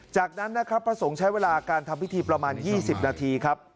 จากนั้นนะครับพระสงฆ์ใช้เวลาการทำพิธีประมาณ๒๐นาทีครับ